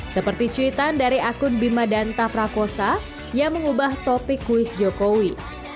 seperti cuitan dari akun bima danta prakosa yang mengubah topik kuis jokowi